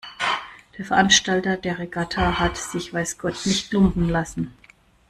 Der Veranstalter der Regatta hat sich weiß Gott nicht lumpen lassen.